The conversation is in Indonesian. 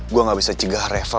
gue gak bisa cegah reva